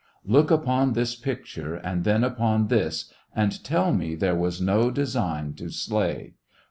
!" Look upon this picture and then upon this," and tell me there was no design to slay